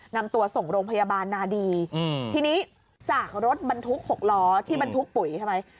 นำตัวส่งโรงพยาบาลนาดีทีนี้จากรถบรรทุก๖ล้อที่บรรทุกปุ๋ยใช่ไหม